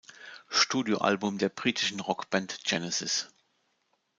Studioalbum der britischen Rockband Genesis.